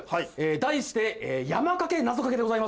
題して「山かけ謎かけ」でございます。